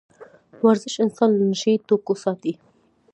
ورزش انسان له نشه يي توکو ساتي.